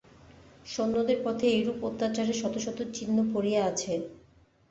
সৈন্যদের পথে এইরূপ অত্যাচারের শত শত চিহ্ন পড়িয়া আছে।